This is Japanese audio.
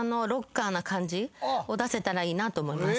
出せたらいいなと思います。